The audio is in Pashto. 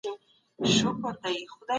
د نن ځوان تر تېر نسل ډېر هوښيار او سنجيده دی.